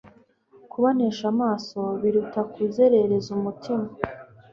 Kubonesha amaso biruta kuzerereza umutima